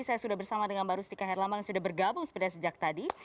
saya sudah bersama dengan mbak rustika herlambang yang sudah bergabung sejak tadi